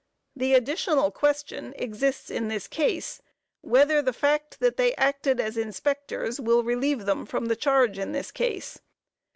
The additional question exists in this case whether the fact that they acted as inspectors will relieve them from the charge in this case.